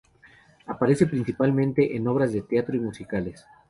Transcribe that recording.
Aparece principalmente en obras de teatro y musicales.